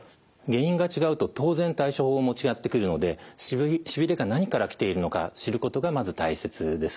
原因が違うと当然対処法も違ってくるのでしびれが何から来ているのか知ることがまず大切です。